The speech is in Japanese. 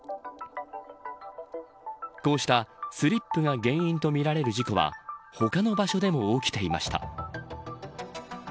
こうしたスリップが原因とみられる事故は他の場所でも起きていました。